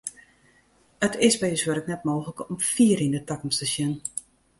It is by ús wurk net mooglik om fier yn de takomst te sjen.